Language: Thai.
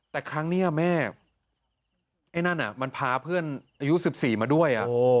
แต่ครั้งนี้อะแม่นั่นป้าเพื่อนอายุ๑๔มาด้วย